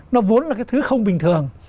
nó vốn là cái thứ không bình thường